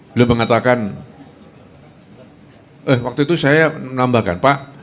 belum mengatakan eh waktu itu saya menambahkan